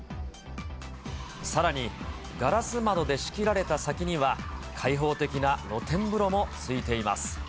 さらに、ガラス窓で仕切られた先には、開放的な露天風呂もついています。